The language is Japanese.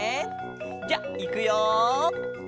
じゃあいくよ。